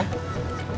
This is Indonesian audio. snowy tenang ya